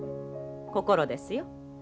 心ですよ。